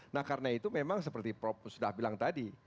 nah karena itu memang seperti prof sudah bilang tadi